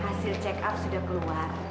hasil check up sudah keluar